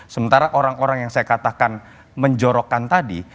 sementara orang orang yang saya katakan menjorokkan tadi